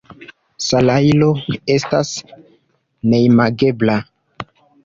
Salajro estas neimagebla.